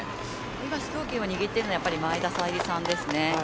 今、主導権を握っているのは前田彩里さんですね。